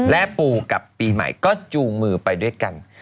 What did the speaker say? และปูกับปีใหม่ก็จูงมือไปด้วยกัน